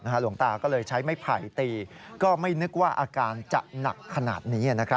หลวงตาก็เลยใช้ไม้ไผ่ตีก็ไม่นึกว่าอาการจะหนักขนาดนี้